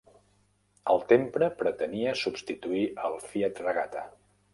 El Tempra pretenia substituir el Fiat Regata.